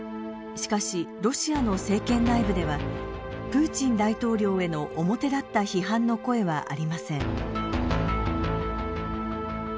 しかしロシアの政権内部ではプーチン大統領への表立った批判の声はありません。